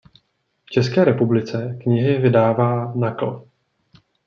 V České republice knihy vydává nakl.